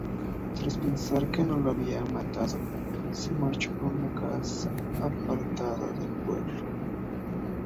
Tras pensar que lo había matado, se marchó a una casa apartada del pueblo.